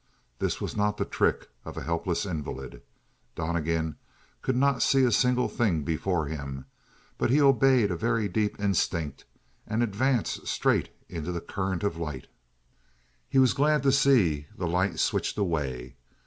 This was not the trick of a helpless invalid; Donnegan could not see a single thing before him, but he obeyed a very deep instinct and advanced straight into the current of light. He was glad to see the light switched away.